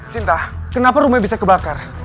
sinta kenapa rumah bisa kebakar